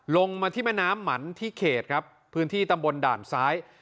ลงมาที่แม่น้ำมันที่เขตครับพื้นที่ตำบลด่านซ้าย